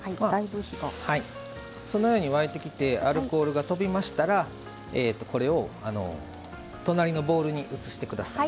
そのように沸いてきてアルコールがとびましたらこれを隣のボウルに移してください。